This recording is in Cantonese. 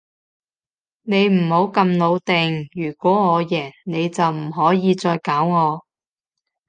你唔好咁老定，如果我贏，你就唔可以再搞我